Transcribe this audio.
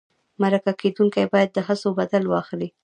مرکه کېدونکی باید د هڅو بدل واخلي.